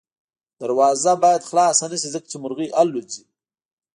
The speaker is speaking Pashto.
دروازه باید خلاصه نه شي ځکه چې مرغۍ الوځي.